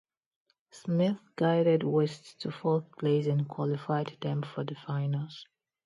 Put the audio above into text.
Smith guided Wests to fourth place and qualified them for the finals.